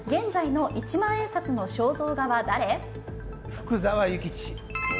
福沢諭吉。